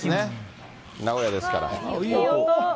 名古屋ですから。